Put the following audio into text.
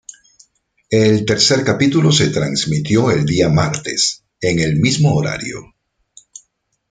El tercer capítulo se transmitió el día martes, en el mismo horario.